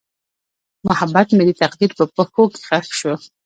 محبت مې د تقدیر په پښو کې ښخ شو.